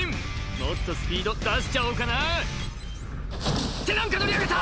もっとスピード出しちゃおうかな」って何か乗り上げた！